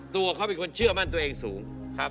ตัวเขาเป็นคนเชื่อมั่นตัวเองสูงครับ